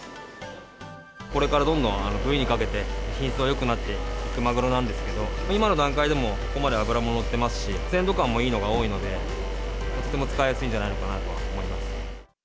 これからどんどん冬にかけて品質がよくなっていくマグロなんですけれども、今の段階でもここまで脂も乗ってますし、鮮度感もいいのが多いので、とても使いやすいんじゃないかなと思います。